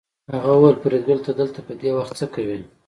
هغه وویل فریدګله ته دلته په دې وخت څه کوې